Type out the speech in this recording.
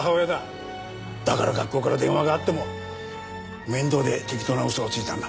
だから学校から電話があっても面倒で適当な嘘をついたんだ。